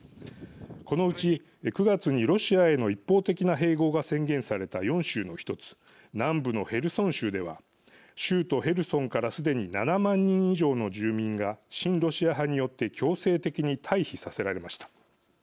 このうち９月にロシアへの一方的な併合が宣言された４州の１つ南部のヘルソン州では州都ヘルソンからすでに７万人以上の住民が親ロシア派によって強制的に退避させられました。